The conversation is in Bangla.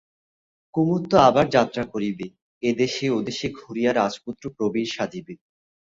কুমুদ তো আবার যাত্রা করিবে, এদেশে ওদেশে ঘুরিয়া রাজপুত্র প্রবীর সাজিবে।